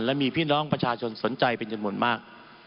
และมีพี่น้องประชาชนสนใจเป็นจำนวนมาก